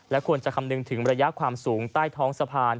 ควรจะคำนึงถึงระยะความสูงใต้ท้องสะพาน